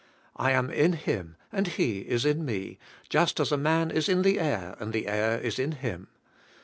I am in Him and He is in me just as a man is in the air and the air is in him.